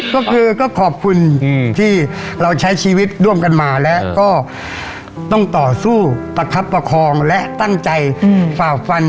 ก็คือก็ขอบคุณที่เราใช้ชีวิตร่วมกันมาแล้วก็ต้องต่อสู้ประคับประคองและตั้งใจฝ่าฟัน